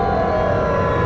aku akan menang